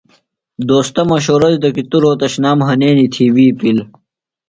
دوستہ مشورہ دِتوۡ کیۡ توۡ رھوتشنام ہنینیۡ تھی وی پِل۔